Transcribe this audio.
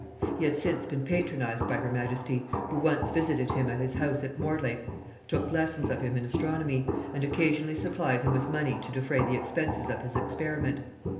He had since been patronized by her majesty, who once visited him at his house at Mortlake, took lessons of him in astronomy, and occasionally supplied him with money to defray the expenses of his experiment.